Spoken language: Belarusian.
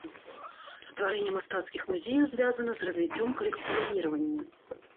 Стварэнне мастацкіх музеяў звязана з развіццём калекцыяніравання.